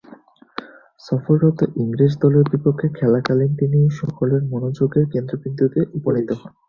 সফররত ইংরেজ দলের বিপক্ষে খেলাকালীন তিনি সকলের মনোযোগের কেন্দ্রবিন্দুতে উপনীত হন।